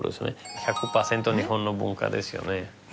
１００パーセント日本の文化ですよね。